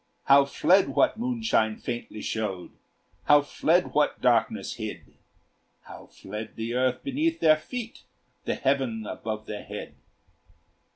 How fled what moonshine faintly showed! How fled what darkness hid! How fled the earth beneath their feet, The heaven above their head!